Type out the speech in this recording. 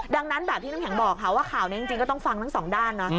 ดังนั้นแบบที่น้ำแข็งบอกค่ะว่าข่าวนี้จริงก็ต้องฟังทั้งสองด้านนะ